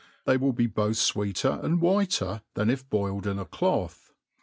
They will be both fweeter apd whiter than if boiled in a cloth.